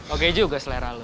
oke juga selera lu